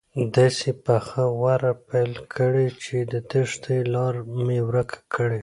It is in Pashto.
داسې پخه غوره پیل کړي چې د تېښتې لاره مې ورکه کړي.